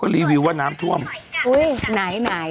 รีวิวว่าน้ำท่วมอุ้ยไหนไหน